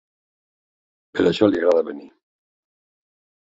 Per això li agrada venir.